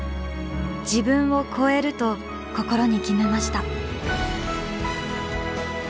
「自分を超える」と心に決めました。